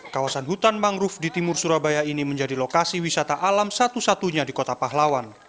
kawasan hutan mangrove di timur surabaya ini menjadi lokasi wisata alam satu satunya di kota pahlawan